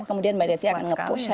kemudian mbak desy akan nge push saya